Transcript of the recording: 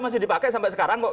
masih dipakai sampai sekarang kok